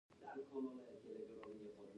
کنسرټ ته ځئ؟ کله کله، ځانګړو برنامو ته ځم